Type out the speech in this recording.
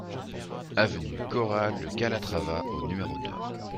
Avenue Corral de Calatrava au numéro deux